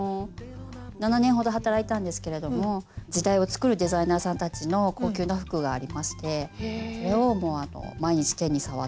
７年ほど働いたんですけれども時代をつくるデザイナーさんたちの高級な服がありまして毎日手に触って。